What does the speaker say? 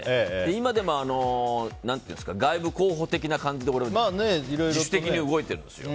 今でも、外部候補的な感じで俺、自主的に動いてるんですよ。